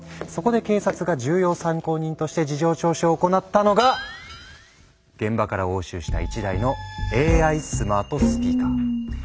そこで警察が重要参考人として事情聴取を行ったのが現場から押収した１台のＡＩスマートスピーカー。